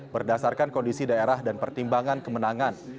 berdasarkan kondisi daerah dan pertimbangan kemenangan